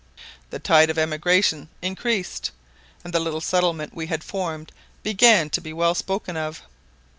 The tide of emigration increased, and the little settlement we had formed began to be well spoken of.